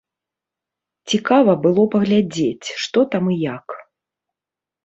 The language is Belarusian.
Цікава было паглядзець, што там і як.